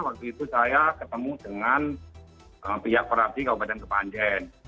waktu itu saya ketemu dengan pihak merapi kabupaten kepanjen